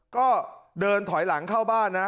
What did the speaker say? ก็เดินถอยหลังเข้าบ้านนะ